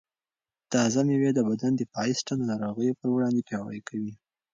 تازه مېوې د بدن دفاعي سیسټم د ناروغیو پر وړاندې پیاوړی کوي.